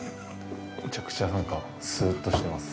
めちゃくちゃなんかスウッとしてます。